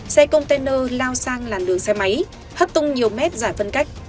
xe container lao sang làn đường xe máy hất tung nhiều mét giải phân cách